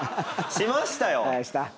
しましたよ！